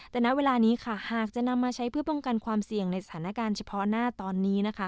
แต่ณเวลานี้ค่ะหากจะนำมาใช้เพื่อป้องกันความเสี่ยงในสถานการณ์เฉพาะหน้าตอนนี้นะคะ